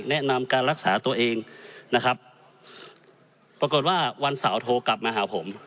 แนะนำการรักษาตัวเองนะครับปรากฏว่าวันเสาร์โทรกลับมาหาผม